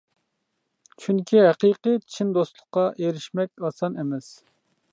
چۈنكى ھەقىقىي چىن دوستلۇققا ئېرىشمەك ئاسان ئەمەس.